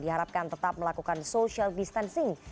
diharapkan tetap melakukan social distancing